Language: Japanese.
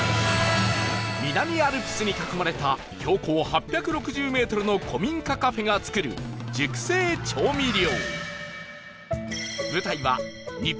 南アルプスに囲まれた標高８６０メートルの古民家カフェが作る熟成調味料